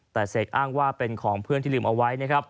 แต่เสกอ้างว่าเป็นของเพื่อนที่ลืมเอาไว้นะครับ